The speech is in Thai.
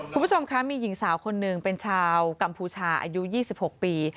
คุณผู้ชมคะมีหญิงสาวคนหนึ่งเป็นชาวกัมพูชาอายุ๒๖ปี